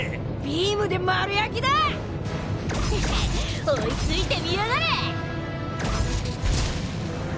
ビームで丸焼きだ！へへっ追いついてみやがれ！